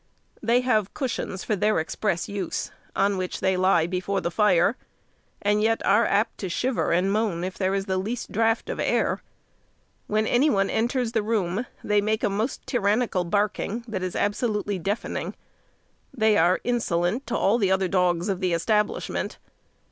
They have cushions for their express use, on which they lie before the fire, and yet are apt to shiver and moan if there is the least draught of air. When any one enters the room, they make a most tyrannical barking, that is absolutely deafening. They are insolent to all the other dogs of the establishment.